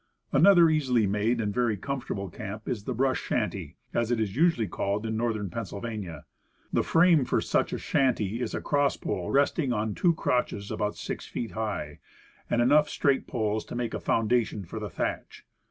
Another easily made and very comfortable camp is the "brush shanty," as it is usually called in Northern Pennsylvania. The frame for such a shanty is a cross pole resting on two crotches about six feet high, and enough straight poles to make a foundation for the thatch.